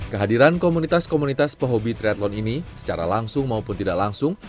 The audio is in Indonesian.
kehadiran komunitas komunitas pehobi triathlon ini secara langsung maupun tidak langsung